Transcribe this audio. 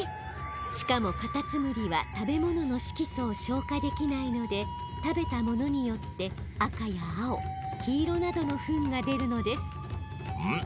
しかもカタツムリは食べ物の色素を消化できないので食べたものによって赤や青黄色などのフンが出るのですうむ